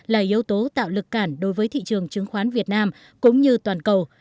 là yếu tố tạo lực cản đối với thị trường chứng khoán việt nam cũng như toàn cầu